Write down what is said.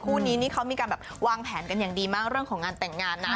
คู่นี้นี่เขามีการแบบวางแผนกันอย่างดีมากเรื่องของงานแต่งงานนะ